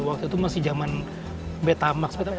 waktu itu masih jaman betamax